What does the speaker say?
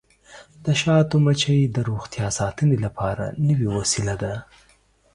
د شاتو مچۍ د روغتیا ساتنې لپاره نوې وسیله ده.